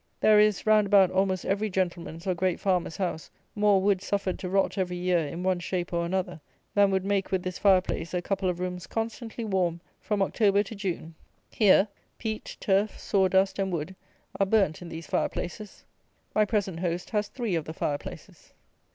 There is, round about almost every gentleman's or great farmer's house, more wood suffered to rot every year, in one shape or another, than would make (with this fire place) a couple of rooms constantly warm, from October to June. Here, peat, turf, saw dust, and wood, are burnt in these fire places. My present host has three of the fire places.